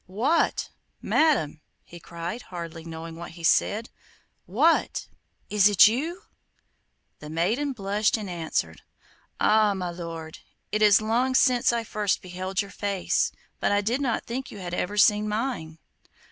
'What! Madam!' he cried, hardly knowing what he said. 'What! Is it you?' The maiden blushed and answered: 'Ah, my lord, it is long since I first beheld your face, but I did not think you had ever seen mine.